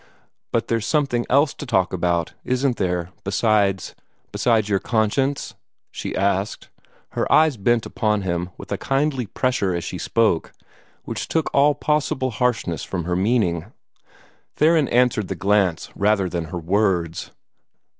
"But there's something else to talk about, isn't there, besides besides your conscience?" she asked. Her eyes bent upon him a kindly pressure as she spoke, which took all possible harshness from her meaning. Theron answered the glance rather than her words.